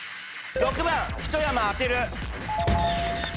６番一山当てる。